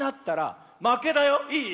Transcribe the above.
いい？